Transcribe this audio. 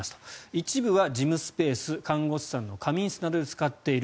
一部は事務スペース看護師さんの仮眠室などに使っている。